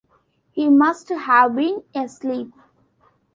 He must have been asleep.